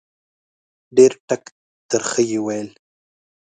ډېر ټک ترخه یې وویل